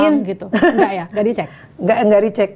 nggak ya nggak dicek